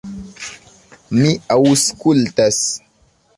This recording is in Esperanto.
Mi aŭskultas...